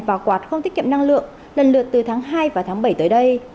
và quạt không tiết kiệm năng lượng lần lượt từ tháng hai và tháng bảy tới đây